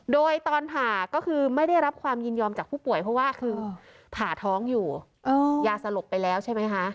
โดยตอนผ่าก็คือไม่ได้รับความยินยอมจากผู้ป่วยเพราะว่าคือผ่าท้องอยู่ยาสลบไปแล้วใช่ไหมคะ